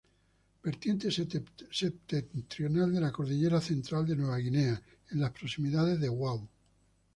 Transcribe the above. Vertiente septentrional de la Cordillera Central de Nueva Guinea, en las proximidades de Wau.